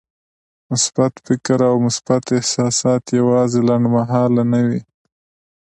مثبت فکر او مثبت احساسات يوازې لنډمهاله نه وي.